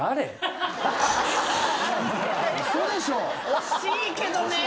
惜しいけどね。